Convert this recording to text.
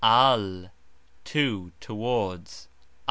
al : to, towards.